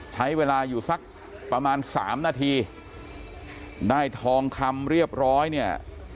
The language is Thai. ใช้เวลาอยู่สักประมาณสามนาทีได้ทองคำเรียบร้อยเนี่ย